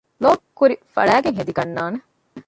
ލޯބިން ކުރި ފަޅައިގެން ހެދިގަންނާނެ